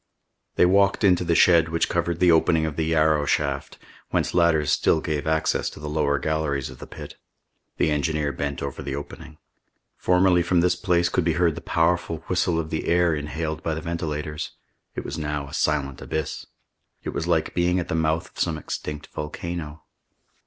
They walked into the shed which covered the opening of the Yarrow shaft, whence ladders still gave access to the lower galleries of the pit. The engineer bent over the opening. Formerly from this place could be heard the powerful whistle of the air inhaled by the ventilators. It was now a silent abyss. It was like being at the mouth of some extinct volcano.